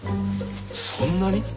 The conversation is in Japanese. そんなに！？